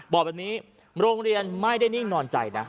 บอกแบบนี้โรงเรียนไม่ได้นิ่งนอนใจนะ